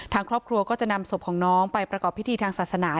ทางครอบครัวก็จะนำศพของน้องไปประกอบพิธีทางศาสนา